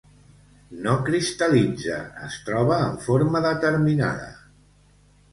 No cristal·litza, es troba en forma determinada.